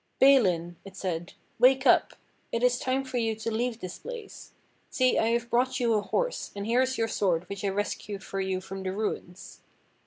"Balin," it said, "wake up! It is time for you to leave this place. See, I have brought you a horse, and here is your sword which I rescued for you from the ruins."